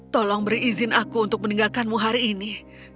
tolong beri izin aku untuk meninggalkanmu hari ini